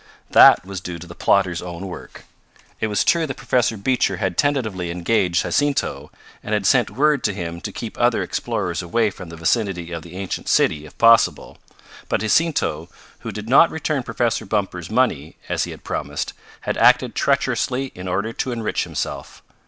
That was due to the plotter's own work. It was true that Professor Beecher had tentatively engaged Jacinto, and had sent word to him to keep other explorers away from the vicinity of the ancient city if possible; but Jacinto, who did not return Professor Bumper's money, as he had promised, had acted treacherously in order to enrich himself.